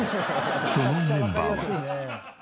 そのメンバーは。